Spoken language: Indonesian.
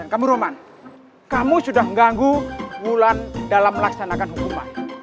dan kamu roman kamu sudah mengganggu wulan dalam melaksanakan hukuman